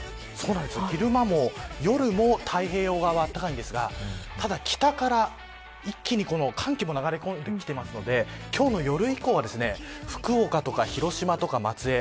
昼間も夜も太平洋側は暖かいですがただ、北から一気に寒気も流れ込んできていますので今日の夜以降は福岡や広島とか松江